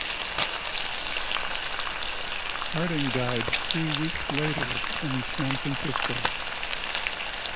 Harding died three weeks later in San Francisco.